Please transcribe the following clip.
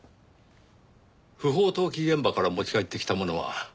不法投棄現場から持ち帰ってきたものはどこに？